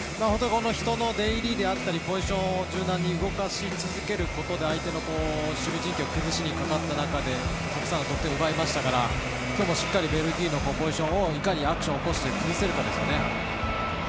人の出入りであったりポジションを柔軟に動かし続けることで相手の守備陣形を崩しにかかった中でたくさん得点を奪いましたから今日もしっかりベルギーのポジションをいかにアクションを起こして崩せるかですね。